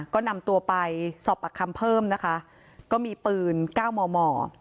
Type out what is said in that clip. ก็นำตัวไปสอบปากคำเพิ่มนะคะก็มีปืนเก้ามอมอ